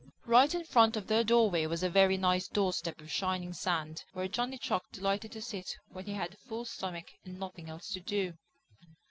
Right in front of their doorway was a very nice doorstep of shining sand where Johnny Chuck delighted to sit when he had a full stomach and nothing else to do.